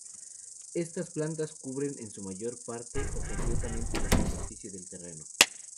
Estas plantas cubren en su mayor parte o completamente la superficie del terreno.